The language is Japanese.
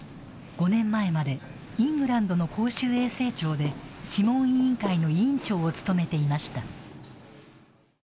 ５年前までイングランドの公衆衛生庁で諮問委員会の委員長を務めていました。